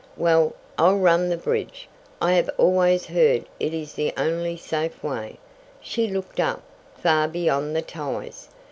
"Well, I'll run the bridge I have always heard it is the only safe way." She looked up, far beyond the ties.